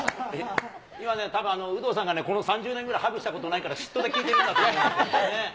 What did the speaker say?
今ね、たぶん有働さんがね、この３０年ぐらいハグしたことないから、嫉妬で聞いてるんだって。